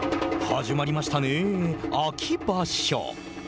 始まりましたね、秋場所。